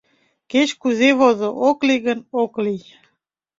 Кеч-кузе возо, ок лий гын, ок лий.